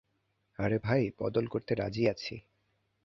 আরে ভাই, বদল করতে রাজি আছি।